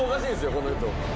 この人。